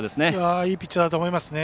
いいピッチャーだと思います。